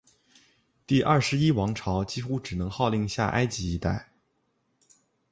第二十一王朝几乎只能号令下埃及一带。